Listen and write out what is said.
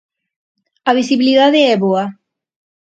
A visibilidade é boa.